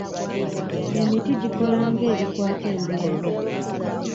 Emiti gikola nga ebikwata embuyaga.